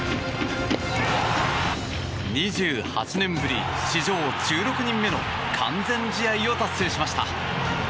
２８年ぶり史上１６人目の完全試合を達成しました。